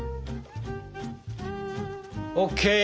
ＯＫ！